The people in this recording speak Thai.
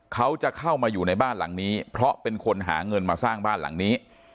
เขาจะเข้ามาอยู่ในบ้านหลังนี้เพราะเป็นคนหาเงินมาสร้างบ้านหลังนี้